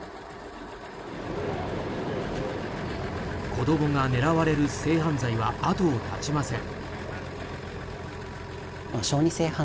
子供が狙われる性犯罪は後を絶ちません。